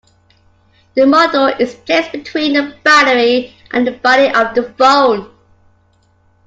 The module is placed between the battery and the body of the phone.